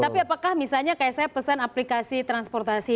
tapi apakah misalnya kayak saya pesan aplikasi transportasi